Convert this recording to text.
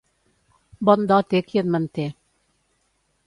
Bon do té qui et manté.